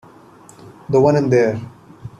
The one in there.